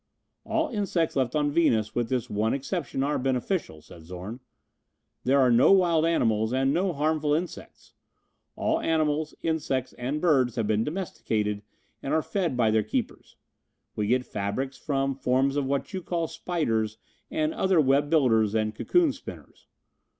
"All insects left on Venus with this one exception are beneficial," said Zorn. "There are no wild animals, and no harmful insects. All animals, insects and birds have been domesticated and are fed by their keepers. We get fabrics from forms of what you call spiders and other web builders and cocoon spinners.